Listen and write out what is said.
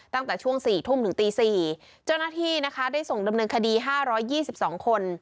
ตั้งแต่ช่วงสี่ทุ่มถึงตีสี่เจ้าหน้าที่นะคะได้ส่งดำเนินคดีห้าร้อยยี่สิบสองคน